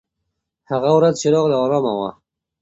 هغه ورځ چې راغله، ارامه وه.